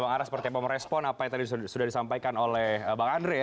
bang ara seperti apa merespon apa yang tadi sudah disampaikan oleh bang andre